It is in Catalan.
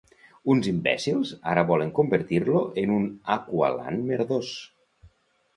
Uns imbècils ara volen convertir-lo en un Aqualand merdós!